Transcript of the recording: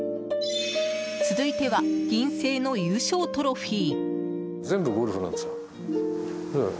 続いては、銀製の優勝トロフィー。